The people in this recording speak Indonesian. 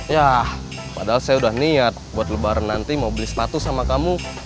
ya padahal saya udah niat buat lebaran nanti mau beli sepatu sama kamu